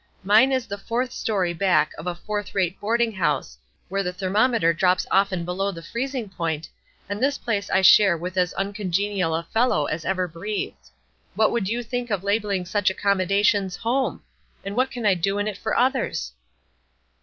Mine is the fourth story back of a fourth rate boarding house, where the thermometer drops often below the freezing point, and this place I share with as uncongenial a fellow as ever breathed. What would you think of labelling such accommodations 'home?' and what can I do in it for others?"